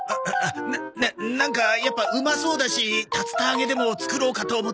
ななんかやっぱうまそうだし竜田揚げでも作ろうかと思って。